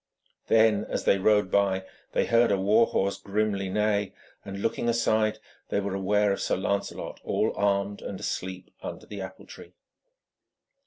Then, as they rode by, they heard a war horse grimly neigh, and looking aside, they were aware of Sir Lancelot all armed, and asleep under the apple tree.